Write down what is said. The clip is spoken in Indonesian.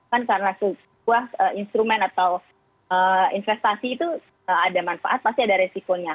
kan karena sebuah instrumen atau investasi itu ada manfaat pasti ada resikonya